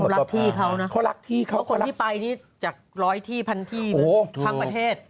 เขารักที่เขานะเพราะคนที่ไปนี่จากร้อยที่พันที่ทั้งประเทศโอ้โฮ